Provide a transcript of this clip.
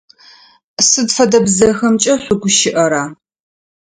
Сыд фэдэ бзэхэмкӏэ шъугущыӏэра?